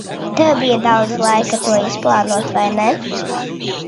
Tev bija daudz laika, to izplānot, vai ne?